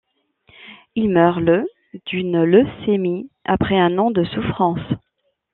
Il meurt le d’une leucémie, après un an de souffrance.